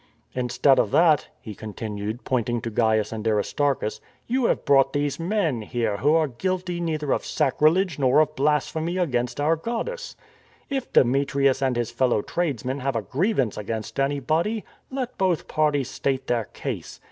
" Instead of that," he continued, pointing to Gains and Aristarchus, " you have brought these men here who are guilty neither of sacrilege nor of blasphemy against our goddess. If Demetrius and his fellow tradesmen have a grievance against anybody, let both parties state their case.